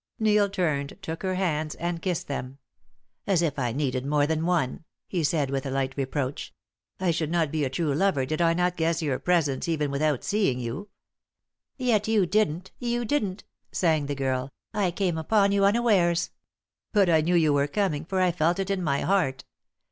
Neil turned, took her hands and kissed them. "As if I needed more than one," he said, with light reproach. "I should not be a true lover did I not guess your presence even without seeing you." "Yet you didn't, you didn't," sang the girl. "I came upon you unawares." "But I knew yow were coming, for I felt it in my heart.